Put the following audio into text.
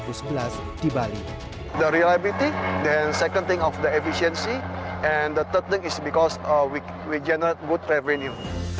pembelian tersebut adalah keuntungan dan keuntungan efisiensi dan yang ketiga adalah karena kami menghasilkan pendapatan yang baik